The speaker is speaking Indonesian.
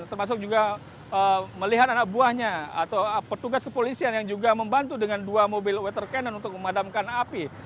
termasuk juga melihat anak buahnya atau petugas kepolisian yang juga membantu dengan dua mobil water cannon untuk memadamkan api